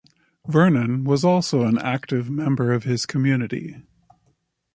Vernon was also an active member of his community.